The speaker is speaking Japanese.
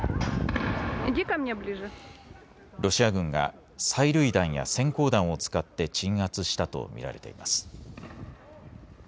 ロシア軍が催涙弾やせん光弾を使って鎮圧したと見られています。